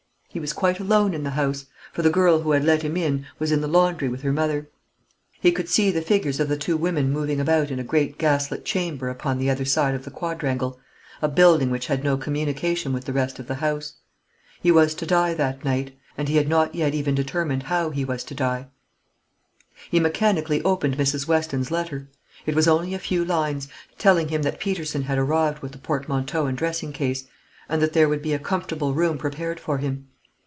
He was quite alone in the house; for the girl who had let him in was in the laundry with her mother. He could see the figures of the two women moving about in a great gaslit chamber upon the other side of the quadrangle a building which had no communication with the rest of the house. He was to die that night; and he had not yet even determined how he was to die. He mechanically opened Mrs. Weston's letter: it was only a few lines, telling him that Peterson had arrived with the portmanteau and dressing case, and that there would be a comfortable room prepared for him.